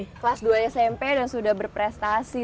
di kelas dua smp dan sudah berprestasi